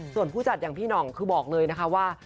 ส่วนผู้จัดอย่างพี่หน่องคือบอกเลยนะคะว่า